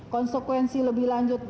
konsekuensi lebih lanjut